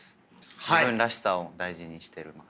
自分らしさを大事にしてます。